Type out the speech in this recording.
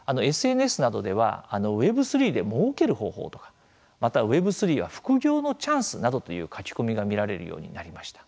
ＳＮＳなどでは、Ｗｅｂ３でもうける方法とかまたＷｅｂ３は副業のチャンスなどという書き込みが見られるようになりました。